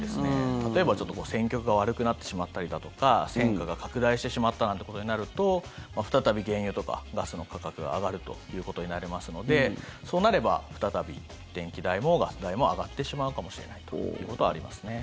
例えば、ちょっと戦局が悪くなってしまったりだとか戦火が拡大してしまったなんてことになると再び原油とかガスの価格が上がるということになりますのでそうなれば再び電気代もガス代も上がってしまうかもしれないということはありますね。